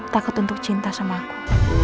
takut untuk cinta sama aku